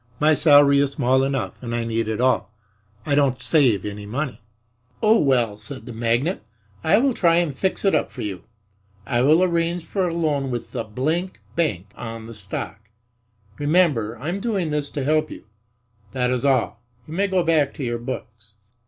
"My salary is small enough and I need it all. I don't save any money." "Oh, well," said the magnate, "I will try and fix it up for you. I will arrange for a loan with the Bank on the stock. Remember, I'm doing this to help you. That is all. You may go back to your books."